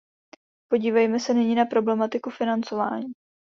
Podívejme se nyní na problematiku financování.